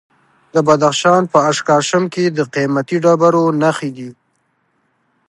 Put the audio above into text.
د بدخشان په اشکاشم کې د قیمتي ډبرو نښې دي.